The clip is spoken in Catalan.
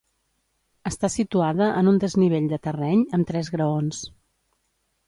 Està situada en un desnivell de terreny, amb tres graons.